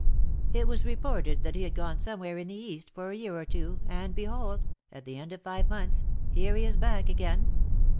"It was reported that he had gone somewhere in the East for a year or two, and behold, at the end of five months, here he is back again!